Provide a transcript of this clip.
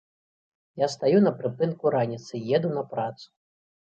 Я стаю на прыпынку раніцай, еду на працу.